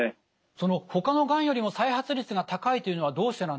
そのほかのがんよりも再発率が高いというのはどうしてなんですか？